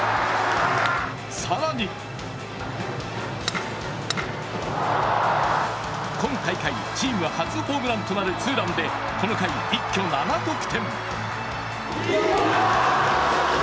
更に今大会チーム初ホームランとなるツーランで、この回一挙７得点。